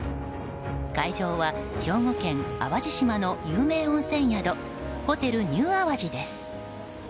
会場は兵庫県淡路島の有名温泉宿ホテルニューアワジです。